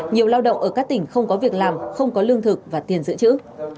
nhiều lao động ở các tỉnh không có việc làm không có lương thực và tiền giữ chữ